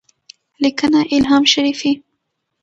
-لیکنه: الهام شریفي